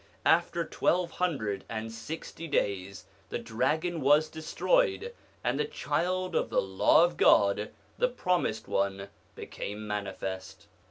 After twelve hundred and sixty days the dragon was destroyed, and the child of the Law of God, the Promised One, became manifest.